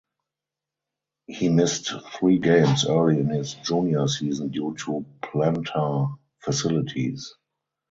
He missed three games early in his junior season due to plantar fasciitis.